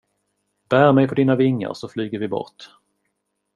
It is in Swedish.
Bär mig på dina vingar så flyger vi bort.